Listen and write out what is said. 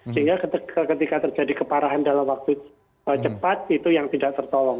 sehingga ketika terjadi keparahan dalam waktu cepat itu yang tidak tertolong